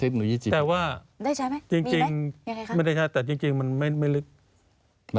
คือแหละแล้วแต่ปื๊ดลงไปได้ไหมคะ